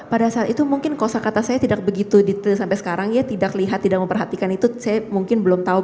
pada saat itu mungkin kosa kata saya tidak begitu detail sampai sekarang ya tidak lihat tidak memperhatikan itu saya mungkin belum tahu